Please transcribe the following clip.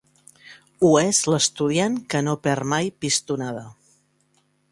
Ho és l'estudiant que no perd mai pistonada.